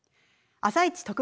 「あさイチ」